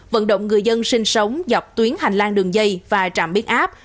vận động người dân sinh sống dọc tuyến hành lang đường dây và trạm biến áp